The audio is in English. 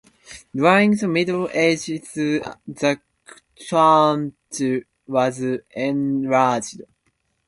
During the Middle Ages the church was enlarged.